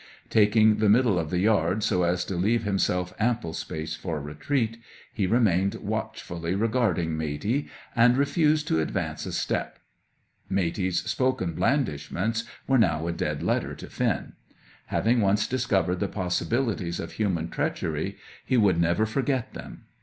Taking the middle of the yard, so as to leave himself ample space for retreat, he remained watchfully regarding Matey, and refused to advance a step. Matey's spoken blandishments were now a dead letter to Finn. Having once discovered the possibilities of human treachery, he would never forget them.